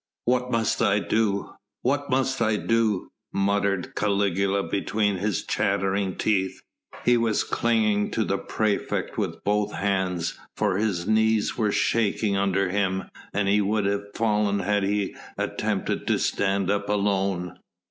"What must I do?... What must I do?" muttered Caligula between his chattering teeth. He was clinging to the praefect with both hands, for his knees were shaking under him and he would have fallen had he attempted to stand up alone.